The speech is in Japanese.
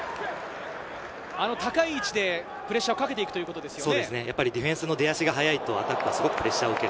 高い位置でプレッシャーをかけていくということですよね。